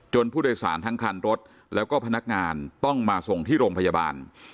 ผู้โดยสารทั้งคันรถแล้วก็พนักงานต้องมาส่งที่โรงพยาบาล